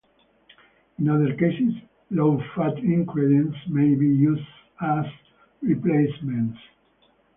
In other cases, low-fat ingredients may be used as replacements.